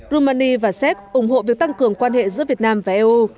romani và séc ủng hộ việc tăng cường quan hệ giữa việt nam và eu